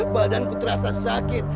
badanku terasa sakit